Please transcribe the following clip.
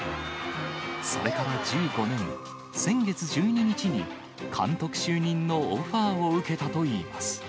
それから１５年、先月１２日に、監督就任のオファーを受けたといいます。